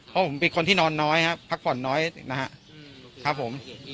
เพราะผมเป็นคนที่นอนน้อยครับพักผ่อนน้อยนะครับผม